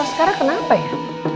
loh sekarang kenapa ya